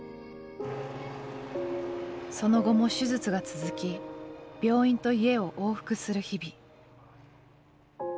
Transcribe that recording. その後も手術が続き病院と家を往復する日々。